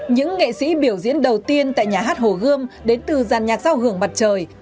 những nghệ sĩ biểu diễn đầu tiên tại nhà hát hồ gươm đến từ giàn nhạc giao hưởng mặt trời